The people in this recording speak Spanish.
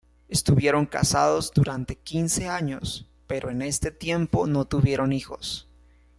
Estuvieron casados durante quince años, pero en este tiempo no tuvieron hijos.